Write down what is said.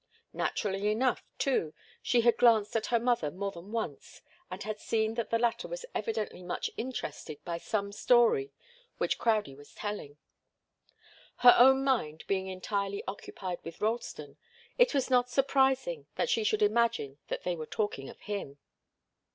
Naturally enough, too, she had glanced at her mother more than once and had seen that the latter was evidently much interested by some story which Crowdie was telling. Her own mind being entirely occupied with Ralston, it was not surprising that she should imagine that they were talking of him.